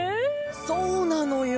そうなのよ。